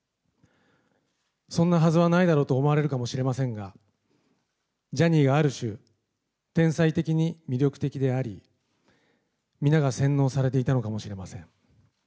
そんなはずはないだろうと思われるかもしれませんが、ジャニーがある種、天才的に魅力的であり、皆が洗脳されていたのかもしれません。